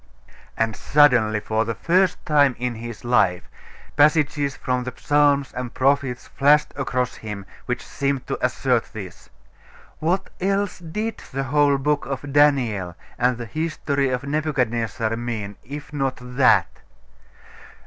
And suddenly, for the first time in his life, passages from the psalms and prophets flashed across him, which seemed to assert this. What else did that whole book of Daniel and the history of Nebuchadnezzar mean if not that?